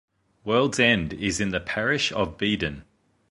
World's End is in the parish of Beedon.